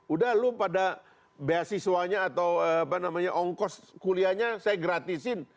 udah lu pada beasiswanya atau apa namanya ongkos kuliahnya saya gratisin